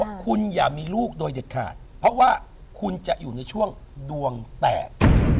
คุณอย่ามีลูกโดยเด็ดขาดเพราะว่าคุณจะอยู่ในช่วงดวงแตก